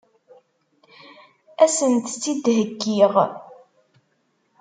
Ad sent-tt-id-heggiɣ?